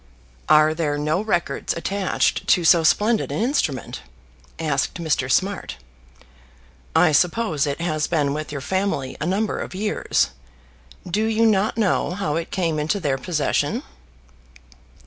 "Are there no records attached to so splendid an instrument?" asked Mr. Smart. "I suppose it has been with your family a number of years. Do you not know how it came into their possession?"